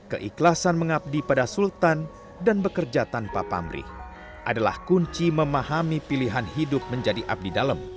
keikhlasan mengabdi pada sultan dan bekerja tanpa pamrih adalah kunci memahami pilihan hidup menjadi abdi dalam